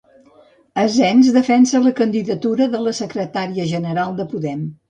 Asens defensa la candidatura de la secretària general de Podem.